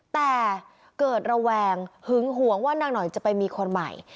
แต่เกิดระแวงหึงหวงว่านางหน่อยจะไปมีคนใหม่